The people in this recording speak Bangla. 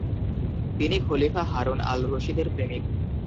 তিনি খলিফা হারুন আল রশিদের প্রেমিক।